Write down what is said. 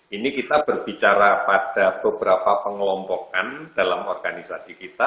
ini kita berbicara pada beberapa pengelompokan dalam organisasi kita